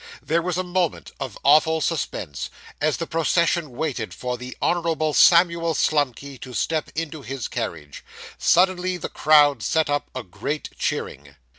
There was a moment of awful suspense as the procession waited for the Honourable Samuel Slumkey to step into his carriage. Suddenly the crowd set up a great cheering.